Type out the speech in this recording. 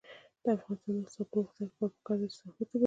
د افغانستان د اقتصادي پرمختګ لپاره پکار ده چې زحمت وباسو.